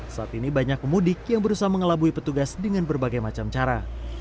saat ini banyak pemudik yang berusaha mengelabui petugas dengan berbagai macam cara